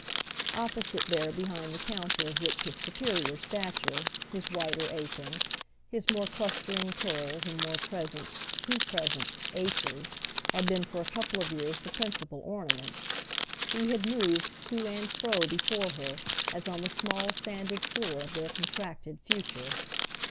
Opposite there, behind the counter of which his superior stature, his whiter apron, his more clustering curls and more present, too present, h's had been for a couple of years the principal ornament, he had moved to and fro before her as on the small sanded floor of their contracted future.